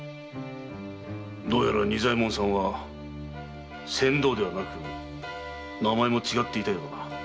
どうやら仁左衛門さんは船頭ではなく名前も違っていたようだな。